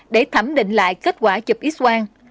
để thẩm định lại kết quả dịch x quân